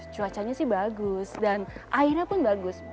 cuacanya sih bagus dan airnya pun bagus